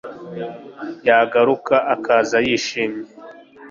yagaruka, akaza yishimye